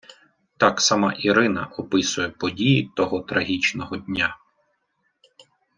Так сама Ірина описує події того трагічного дня.